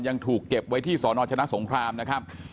ยังถูกเก็บไว้ที่สนชนะสงครามนะครับ